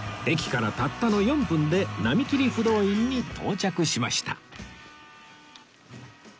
駅からたったの４分で浪切不動院に到着しました